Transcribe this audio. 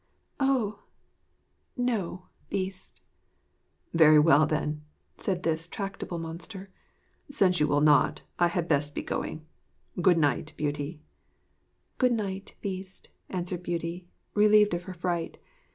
"' 'Oh! no, Beast.' 'Very well, then,' said this tractable monster. 'Since you will not, I had best be going. Good night, Beauty.' 'Good night, Beast,' answered Beauty, relieved of her fright.